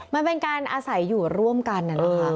มันเป็นการอาศัยอยู่ร่วมกันนะคะ